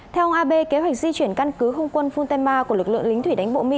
theo ông abe kế hoạch di chuyển căn cứ không quân funtema của lực lượng lính thủy đánh bộ mỹ